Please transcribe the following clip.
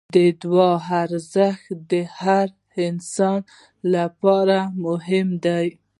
د دعا ارزښت د هر انسان لپاره مهم دی.